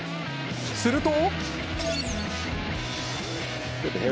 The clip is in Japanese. すると。